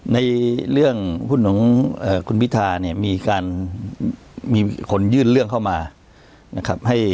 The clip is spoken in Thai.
ในเรื่องหุ้นของคุณวิทาเนี่ยมีคนยื่นเรื่องเข้ามา